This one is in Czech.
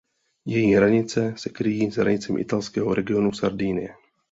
Její hranice se kryjí s hranicemi italského regionu Sardinie.